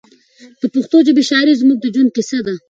د پښتو ژبې شاعري زموږ د ژوند کیسه ده.